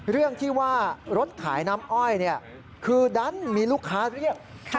เรื่องที่ว่ารถขายน้ำอ้อยคือดันมีลูกค้าเรียก